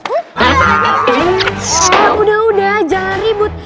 udah udah jangan ribut